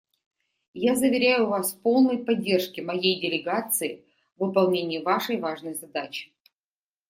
Я заверяю Вас в полной поддержке моей делегации в выполнении Вашей важной задачи.